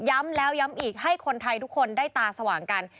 ย้ำแล้วย้ำอีกให้คนไทยทุกคนได้ตาสว่างกัน